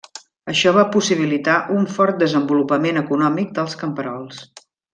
Això va possibilitar un fort desenvolupament econòmic dels camperols.